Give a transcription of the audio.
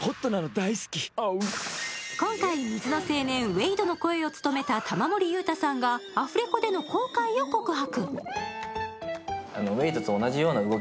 今回、水の青年ウェイドの声を務めた玉森裕太さんがアフレコでの後悔を告白。